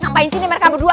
ngapain sini mereka berdua